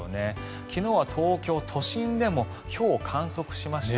昨日は東京都心でもひょうを観測しました。